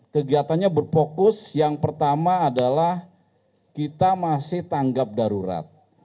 kegiatannya berfokus yang pertama adalah kita masih tanggap darurat